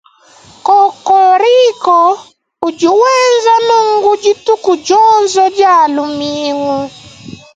Kokoriko udi wenza nunku dituku dionso dia lumingu.